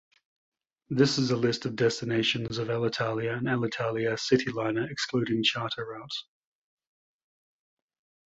This is a list of destinations of Alitalia and Alitalia CityLiner excluding charter routes.